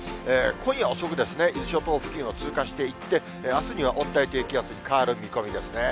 今夜遅くですね、伊豆諸島付近を通過していって、あすには温帯低気圧に変わる見込みですね。